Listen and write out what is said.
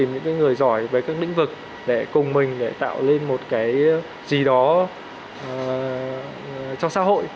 những cái người giỏi với các lĩnh vực để cùng mình để tạo lên một cái gì đó trong xã hội